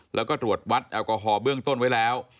แล้วก็ตรวจวัดแอลกอฮอลเบื้องต้นไว้แล้ว